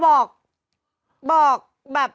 บอกแบบ